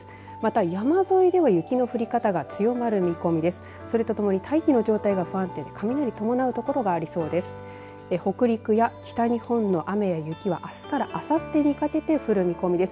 また山沿いでは雪の降り方が強まる見込みです。